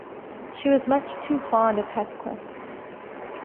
She was much too fond of Heathcliff.